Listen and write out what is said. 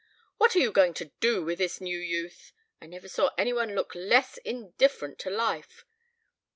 What are you going to do with this new youth I never saw any one look less indifferent to life!